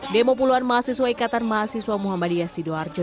demo puluhan mahasiswa ikatan mahasiswa muhammadiyah sidoarjo